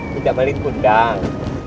tidak maling kundang